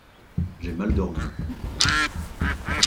J’ai mal dormi…